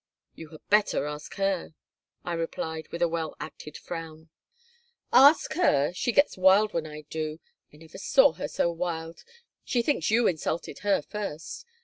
"You had better ask her," I replied, with a well acted frown "Ask her! She gets wild when I do. I never saw her so wild. She thinks you insulted her first.